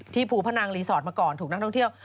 ภูพนังรีสอร์ทมาก่อนถูกนักท่องเที่ยว